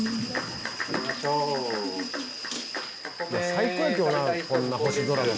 最高やけどなこんな星空の下。